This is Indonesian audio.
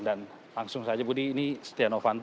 dan langsung saja budi ini setia novanto